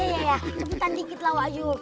cepetan dikit lah wak jum